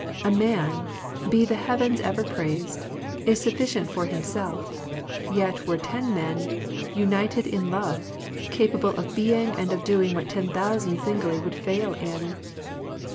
A man^ be the Heavens ever praised^ is sufficient for him* self; yet were ten men^ united in Love^ capable of being and of doing what ten thousand singly would fail in.